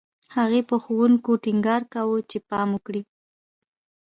هغې په ښوونکو ټینګار کاوه چې پام وکړي